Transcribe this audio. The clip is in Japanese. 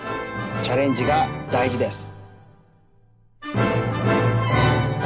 チャレンジがだいじです。